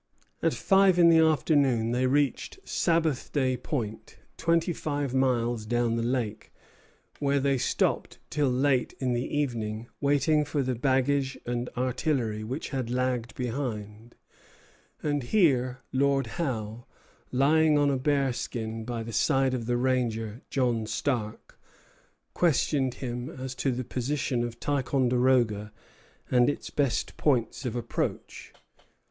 At five in the afternoon they reached Sabbath Day Point, twenty five miles down the lake, where they stopped till late in the evening, waiting for the baggage and artillery, which had lagged behind; and here Lord Howe, lying on a bearskin by the side of the ranger, John Stark, questioned him as to the position of Ticonderoga and its best points of approach.